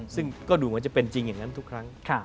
ซึ่งก็ดูเหมือนจะเป็นจริงอย่างนั้นทุกครั้ง